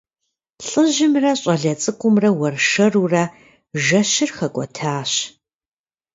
ЛӀыжьымрэ щӀалэ цӀыкӀумрэ уэршэрурэ жэщыр хэкӀуэтащ.